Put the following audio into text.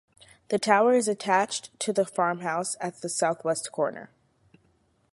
The tower is attached to the farmhouse at the southwest corner.